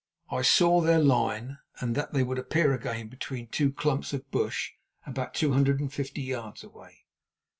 I saw their line, and that they would appear again between two clumps of bush about two hundred and fifty yards away.